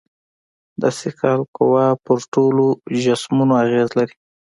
د ثقل قوه پر ټولو جسمونو اغېز لري.